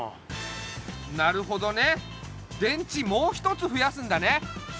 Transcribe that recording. なるほどね電池もう一つふやすんだね！